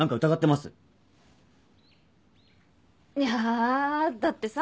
いやだってさ